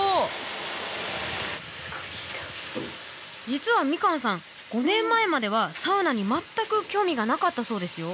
実はみかんさん５年前まではサウナに全く興味がなかったそうですよ。